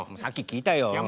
さっき聞いたよ。